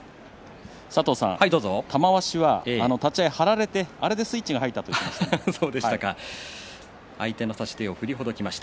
玉鷲は立ち合い張られてあれでスイッチが相手の差し手を振りほどきました。